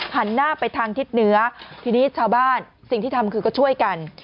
หันหน้าไปทางทิศเหนือทีนี้ชาวบ้านสิ่งที่ทำคือก็ช่วยกัน